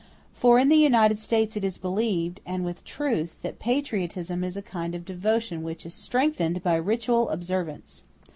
For in the United States it is believed, and with truth, that patriotism is a kind of devotion which is strengthened by ritual observance.